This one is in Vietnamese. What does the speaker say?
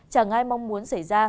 chẳng ai mong muốn